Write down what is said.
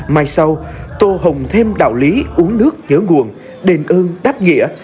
mai sau tô hồng thêm đạo lý uống nước nhớ nguồn đền ơn đáp nghĩa